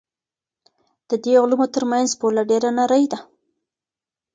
د دې علومو ترمنځ پوله ډېره نرۍ ده.